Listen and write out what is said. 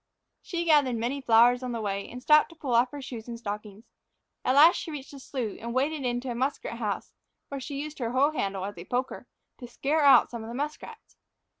She gathered many flowers on the way, and stopped to pull off her shoes and stockings. At last she reached the slough and waded in to a muskrat house, where she used her hoe handle as a poker to scare out some of the muskrats.